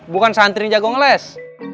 bukan santri jago ngeles